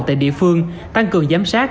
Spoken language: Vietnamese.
tại địa phương tăng cường giám sát